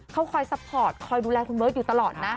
เขาคอยซัพพอร์ตคอยดูแลคุณเบิร์ตอยู่ตลอดนะ